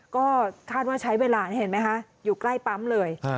ก็คาดว่าใช้เวลานี่เห็นไหมคะอยู่ใกล้ปั๊มเลย